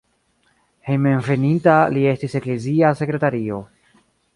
Hejmenveninta li estis eklezia sekretario.